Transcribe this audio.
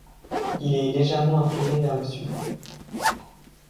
Il est légèrement incliné vers le sud.